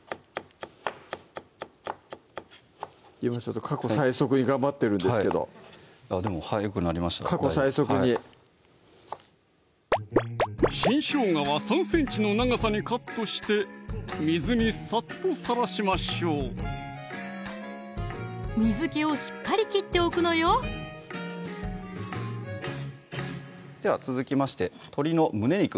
今過去最速に頑張ってるんですけどでも速くなりましただいぶ過去最速に新しょうがは３ｃｍの長さにカットして水にさっとさらしましょう水気をしっかり切っておくのよでは続きまして鶏の胸肉